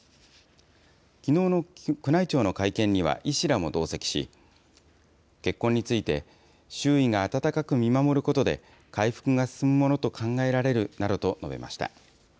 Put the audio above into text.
きのうの宮内庁の会見には医師らも同席し、結婚について、周囲が温かく見守ることで回復が進むものと考えられるなどと述べました。